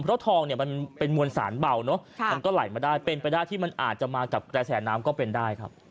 เพราะทองเนี่ยมันเป็นมวลสารเบาเนอะมันก็ไหลมาได้เป็นไปได้ที่มันอาจจะมากับกระแสน้ำก็เป็นได้ครับ